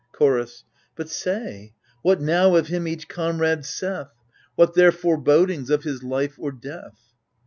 Chorus But say, what now of him each comrade saith ? What their forebodings, of his life or death